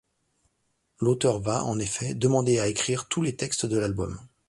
L'auteur va, en effet, demander à écrire tous les textes de l'album.